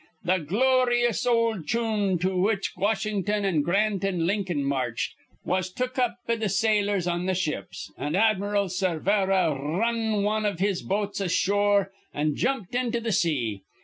Th' gloryous ol' chune, to which Washington an' Grant an' Lincoln marched, was took up be th' sailors on th' ships, an' Admiral Cervera r run wan iv his boats ashore, an' jumped into th' sea.